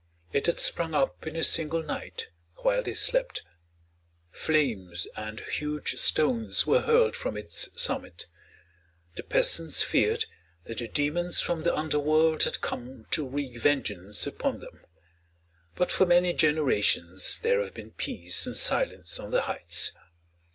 It had sprung up in a single night, while they slept. Flames and huge stones were hurled from its summit; the peasants feared that the demons from the under world had come to wreak vengeance upon them. But for many generations there have been peace and silence on the heights.